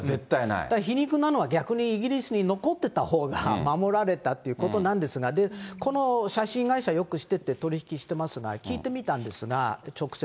皮肉なのは、逆にイギリスに残ってたほうが守られたということなんですが、この写真会社よく知ってて、取り引きしてますが、聞いてみたんですが、直接。